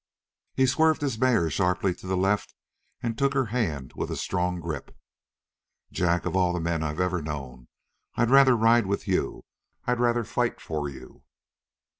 He swerved his mare sharply to the left and took her hand with a strong grip. "Jack, of all the men I've ever known, I'd rather ride with you, I'd rather fight for you."